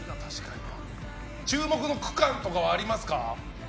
注目の区間とかはありますか？